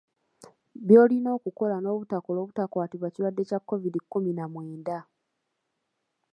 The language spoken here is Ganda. By’olina okukola n’obutakola obutakwatibwa kirwadde kya Kovidi kkumi na mwenda.